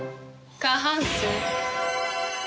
過半数。